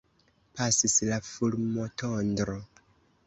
Pasis la fulmotondro.